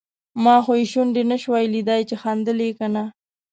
ما خو یې شونډې نشوای لیدای چې خندل یې که نه.